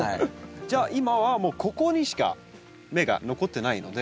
じゃあ今はもうここにしか芽が残ってないので。